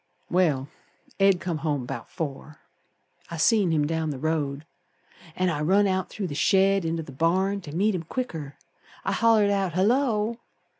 Well, Ed come home 'bout four. I seen him down the road, An' I run out through the shed inter th' barn To meet him quicker. I hollered out, 'Hullo!'